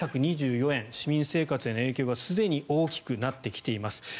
市民生活への影響がすでに大きくなってきています。